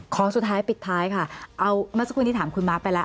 ของสุดท้ายปิดท้ายค่ะเอาเมื่อสักครู่นี้ถามคุณมาร์คไปแล้ว